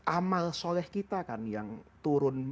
amal soleh kita kan yang turun